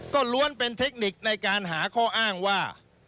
ก็ล้วนเป็นเทคนิคในการหาข้ออ้างว่า